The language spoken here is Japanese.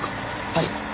はい。